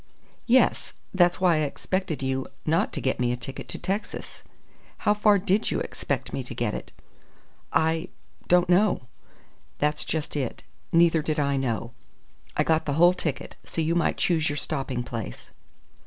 "Yes. That's why I expected you not to get me a ticket to Texas." "How far did you expect me to get it?" "I don't know." "That's just it. Neither did I know. I got the whole ticket, so you might choose your stopping place."